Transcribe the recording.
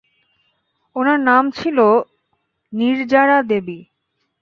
উনার নাম ছিলো নির্জারা দেবী।